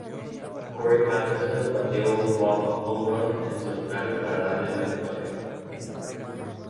Corey Patterson bateó un walk-off home run en solitario para darle la victoria.